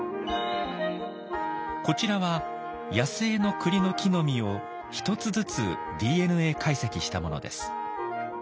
こちらは野生のクリの木の実を１つずつＤＮＡ解析したものです。